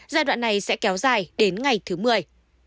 giai đoạn này sẽ kéo dài đến ngày thứ mười